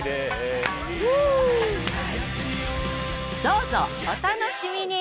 どうぞお楽しみに！